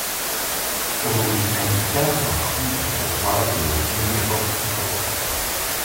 On lui indiqua la rue de Pontoise et le numéro quatorze.